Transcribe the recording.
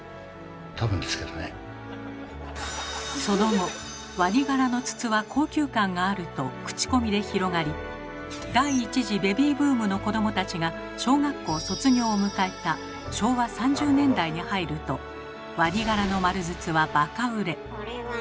その後ワニ柄の筒は高級感があると口コミで広がり第１次ベビーブームの子どもたちが小学校卒業を迎えた昭和３０年代に入るとワニ柄の丸筒はバカ売れ。